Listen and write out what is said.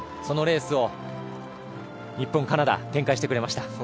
そのレースを日本、カナダ展開してくれました。